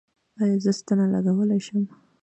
ایا زه ستنه لګولی شم؟